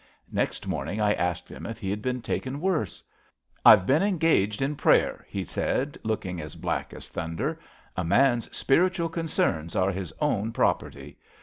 Next morning I asked him if he'd been taken worse. * I've been engaged in prayer,' he said, looking as black as thunder. * A man's spiritual concerns are his own property.'